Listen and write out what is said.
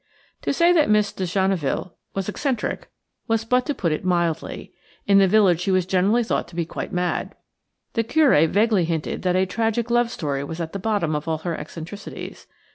To say that Miss de Genneville was eccentric was but to put it mildly; in the village she was generally thought to be quite mad. The Curé vaguely hinted that a tragic love story was at the bottom of all her eccentricities.